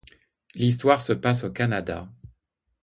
L'histoire se passe au Canada.